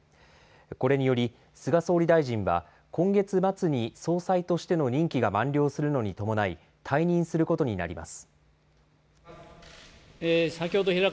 これにより、菅総理大臣は今月末に総裁としての任期が満了するのに伴い退任することになります。